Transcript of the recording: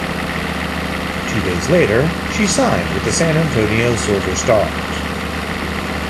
Two days later, she signed with the San Antonio Silver Stars.